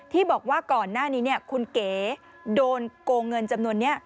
ที่บอกว่าก่อนหน้านี้คุณเก๋โดนโกงเงินจำนวนนี้